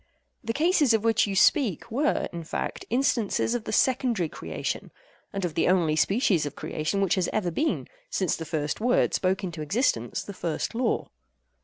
The cases of which you speak were, in fact, instances of the secondary creation—and of the only species of creation which has ever been, since the first word spoke into existence the first law.